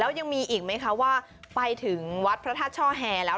แล้วยังมีอีกไหมคะว่าไปถึงวัดพระท่าเช่าแหอแล้ว